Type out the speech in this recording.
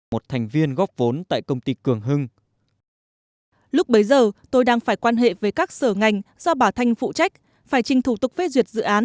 một thành viên góp vốn tại công ty cường hưng